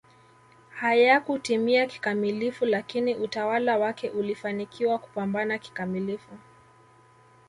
hayakutimia kikamilifu lakini utawala wake ulifanikiwa kupambana kikamilifu